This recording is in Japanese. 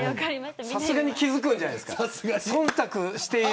さすがに気付くんじゃないですか。